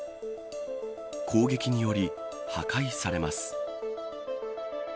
攻撃により破壊されます。